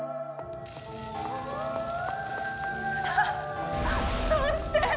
あっどうして？